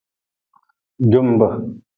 Jumbe.